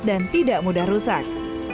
dan tidak mudah rusak